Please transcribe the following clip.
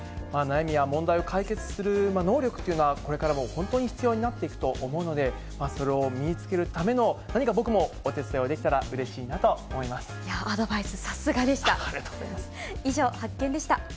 悩みや問題を解決する能力というのは、これからも本当に必要になっていくと思うので、それを身につけるための何か僕もお手伝いをできたらうれしいなとアドバイス、さすがでした。